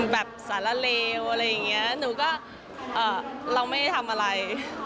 แบบสาระเลวอะไรอย่างนี้หนูก็เราไม่ได้ทำอะไร